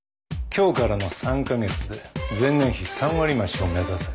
今日からの３カ月で前年比３割増しを目指せ。